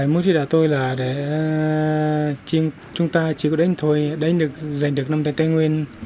một chỉ đạo tôi là để chúng ta chỉ có đánh thôi đánh được giành được năm tên tây nguyên